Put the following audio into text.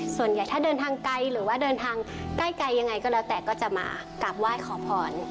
ส่วนใหญ่ถ้าเดินทางไกลหรือว่าเดินทางใกล้ยังไงก็แล้วแต่ก็จะมากราบไหว้ขอพร